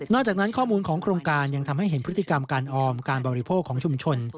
จากนั้นข้อมูลของโครงการยังทำให้เห็นพฤติกรรมการออมการบริโภคของชุมชน